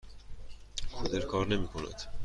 کولر کار نمی کند.